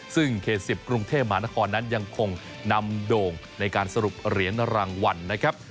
ซึ่งเขต๑๐กรุงเทพมหานครนั้นยังคงนำโด่งในการสรุปเหรียญรางวัลนะครับ